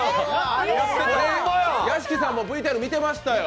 屋敷さんもＶＴＲ、見てましたよ！